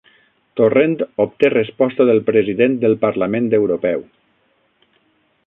Torrent obté resposta del president del Parlament Europeu